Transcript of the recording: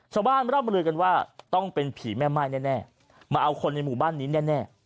ชาวบ้านร่ำลือกันว่าต้องเป็นผีแม่ม่ายแน่มาเอาคนในหมู่บ้านนี้แน่